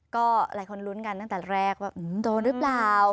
ก็หลายคนลุ้นกันตั้งแต่แรกว่าโดนหรือเปล่า